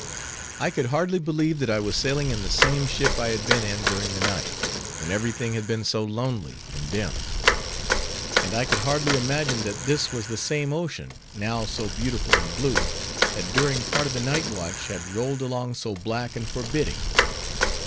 I could hardly believe that I was sailing in the same ship I had been in during the night, when every thing had been so lonely and dim; and I could hardly imagine that this was the same ocean, now so beautiful and blue, that during part of the night watch had rolled along so black and forbidding.